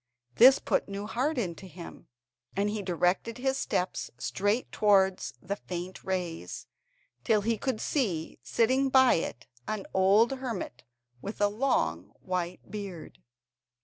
This put new heart into him, and he directed his steps straight towards the faint rays, till he could see, sitting by it, an old hermit, with a long white beard.